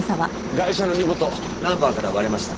ガイシャの身元ナンバーから割れました。